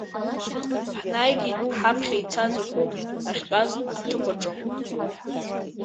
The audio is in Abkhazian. Ҳнаигеит ҳаԥхьа ицаз агәыԥ ахьтәаз аҭыԥ аҿы.